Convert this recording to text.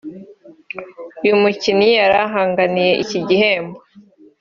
uyu mukinnyi yari ahanganiye iki gihembo